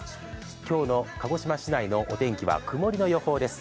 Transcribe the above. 今日の鹿児島市内のお天気は曇りの予報です。